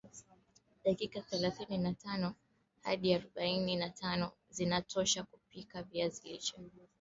dakika thelathini na tano hadi arobaini na tano zinatosha kupika viazi lishe